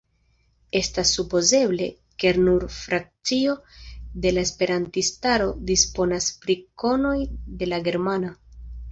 Estas supozeble, ke nur frakcio de la esperantistaro disponas pri konoj de la germana.